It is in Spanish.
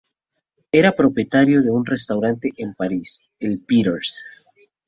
Era propietario de un restaurante en París, el "Peter's".